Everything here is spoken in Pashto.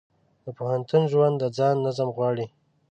د پوهنتون ژوند د ځان نظم غواړي.